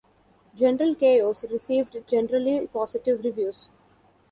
"General Chaos" received generally positive reviews.